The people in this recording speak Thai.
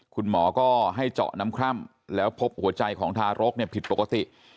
คุณหมอก็ให้เจาะน้ำคร่ำแล้วพบหัวใจของทารกผิดปกติ